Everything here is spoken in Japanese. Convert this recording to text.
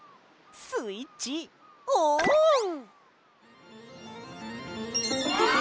スイッチオン！